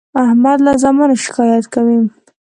احمد له زامنو شکایت کوي.